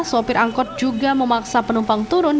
sopir angkot juga memaksa penumpang turun